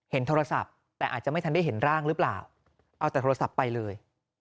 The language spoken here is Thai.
โทรศัพท์แต่อาจจะไม่ทันได้เห็นร่างหรือเปล่าเอาแต่โทรศัพท์ไปเลย